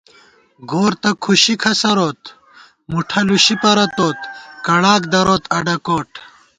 گور تہ کھُشی کھسَروت، مُٹھہ لُشی پرَتوت، کڑاک دروت اڈہ کوٹ